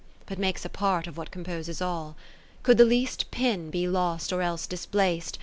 But makes a part of what composes all: Could the least pin be lost or else displac'd.